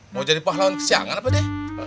mau jadi pahlawan kesiangan apa deh